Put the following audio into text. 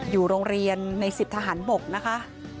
อยู่โรงเรียนใน๑๐ทหารบกนะคะ